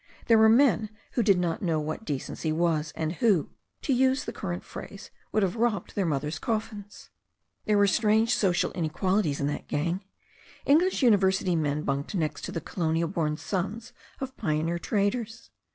There were men who did not know what decency was, and who, to use the current phrase, would have robbed their mother's coffins. There were strange social inequalities in that gang. Eng lish university men bunked next to the colonial born sons of pioneer traders.